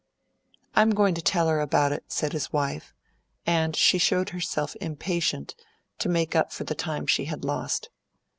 "I'm going to tell her about it," said his wife, and she showed herself impatient to make up for the time she had lost.